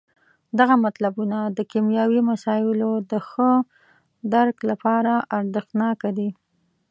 دغه مطلبونه د کیمیاوي مسایلو د ښه درک لپاره ارزښت ناکه دي.